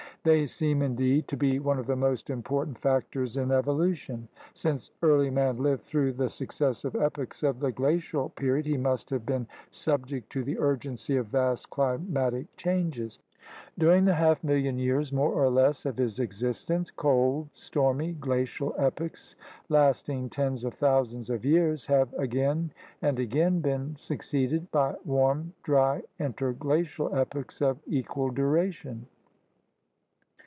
They seem, indeed, to be one of the most important factors in evolu tion. Since early man lived through the successive « epochs of the glacial period, he must have been subject to the urgency of vast climatic changes. During the half million years more or less of his existence, cold, stormy, glacial epochs lasting tens of thousands of years have again and again been succeeded by warm, dry, interglacial epochs of equal duration.